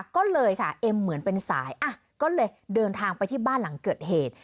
ก็เลยค่ะเอ็มเหมือนเป็นสายก็เลยเดินทางไปที่บ้านหลังเกิดเหตุ